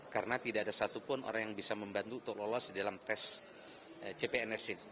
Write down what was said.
karena tidak ada satupun orang yang bisa membantu untuk lolos dalam tes cpnsin